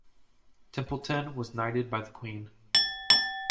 Templeton was knighted by the Queen.